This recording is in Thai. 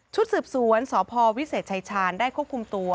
สืบสวนสพวิเศษชายชาญได้ควบคุมตัว